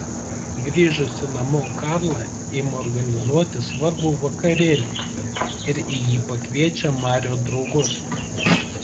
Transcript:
Grįžusi namo Karla ima organizuoti svarbų vakarėlį ir į jį pakviečia Mario draugus.